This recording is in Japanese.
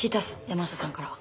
山下さんから。